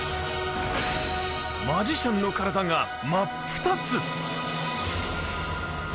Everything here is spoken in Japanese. マジシャンの体が真っ二つ。